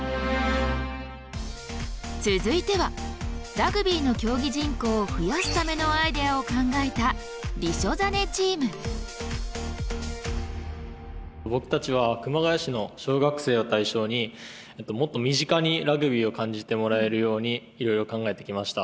続いてはラグビーの競技人口を増やすためのアイデアを考えた僕たちは熊谷市の小学生を対象にもっと身近にラグビーを感じてもらえるようにいろいろ考えてきました。